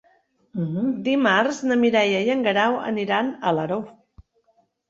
Dimarts na Mireia i en Guerau aniran a Alaró.